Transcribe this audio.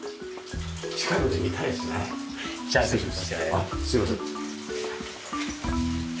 あっすいません。